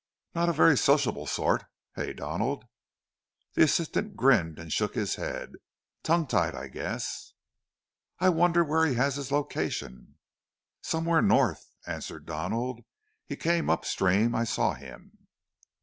"Not a very sociable sort, hey, Donald?" The assistant grinned, and shook his head. "Tongue tied, I guess." "I wonder where he has his location." "Somewhere North!" answered Donald. "He came upstream, I saw him."